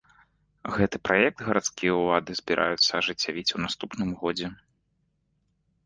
Гэты праект гарадскія ўлады збіраюцца ажыццявіць у наступным годзе.